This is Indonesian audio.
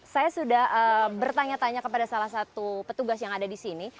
saya sudah bertanya tanya kepada salah satu petugas yang ada di sini